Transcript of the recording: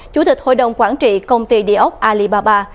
chủ tịch hội đồng quản trị công ty địa ốc alibaba